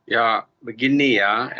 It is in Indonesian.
ya begini ya